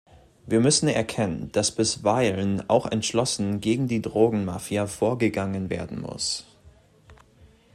Wir müssen erkennen, dass bisweilen auch entschlossen gegen die Drogenmafia vorgegangen werden muss.